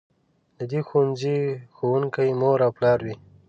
د دې ښوونځي ښوونکي مور او پلار وي.